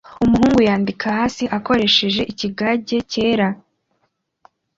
Umuhungu yandika hasi akoresheje ikigage cyera